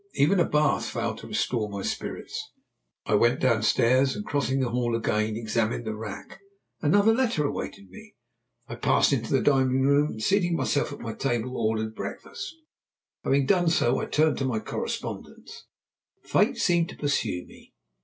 Even a bath failed to restore my spirits. I went downstairs and, crossing the hall again, examined the rack. Another letter awaited me. I passed into the dining room and, seating myself at my table, ordered breakfast. Having done so, I turned to my correspondence. Fate seemed to pursue me.